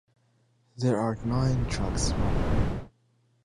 There are nine trucks running.